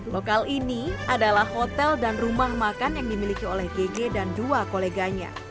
lokal ini adalah hotel dan rumah makan yang dimiliki oleh gg dan dua koleganya